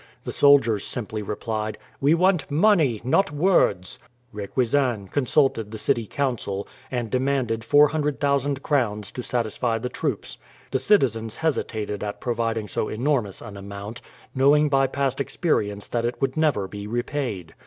The soldiers simply replied, "We want money, not words." Requesens consulted the City Council and demanded 400,000 crowns to satisfy the troops. The citizens hesitated at providing so enormous an amount, knowing by past experience that it would never be repaid.